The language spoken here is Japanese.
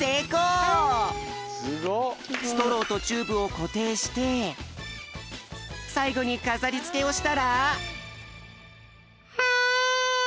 ストローとチューブをこていしてさいごにかざりつけをしたら。